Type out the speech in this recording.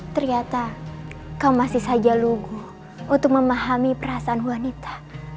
ternyata kau masih saja lugu untuk memahami perasaan wanita